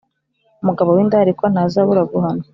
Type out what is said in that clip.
Umugabo w indarikwa ntazabura guhanwa